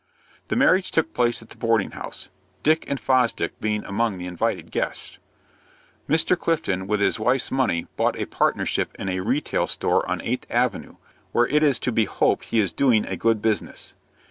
The marriage took place at the boarding house, Dick and Fosdick being among the invited guests. Mr. Clifton with his wife's money bought a partnership in a retail store on Eighth Avenue, where it is to be hoped he is doing a good business.